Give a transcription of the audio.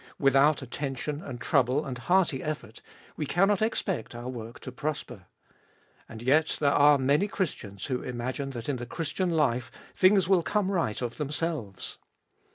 Without attention and trouble and hearty effort we cannot expect our work to prosper. And yet there are many Christians who imagine that in the Christian life things will come right of themselves.